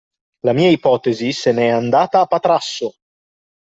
La mia ipotesi se ne è andata a Patrasso!